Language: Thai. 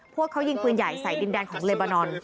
พวกเขายิงปืนใหญ่ใส่ดินแดนของเลบานอน